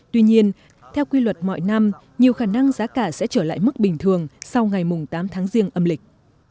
tuy nhiên theo quy luật mọi năm nhiều khả năng giá cả sẽ trở lại mức bình thường sau ngày tám tháng riêng âm lịch